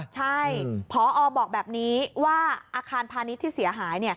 ใช่พอบอกแบบนี้ว่าอาคารพาณิชย์ที่เสียหาย